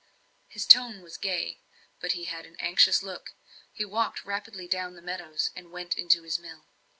His tone was gay, but he had an anxious look. He walked rapidly down the meadows, and went into his mill.